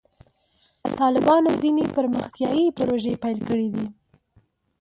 طالبانو ځینې پرمختیایي پروژې پیل کړې دي.